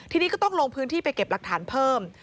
ทีนี้ก็ต้องลงพื้นที่ไปเก็บหลักฐานเพิ่ม